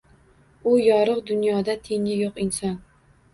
U — yorug’ dunyoda Tengi yo’q inson